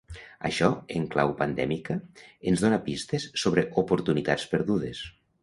Això, en clau pandèmica, ens dóna pistes sobre oportunitats perdudes.